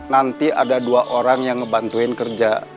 nanti ada dua orang yang ngebantuin kerja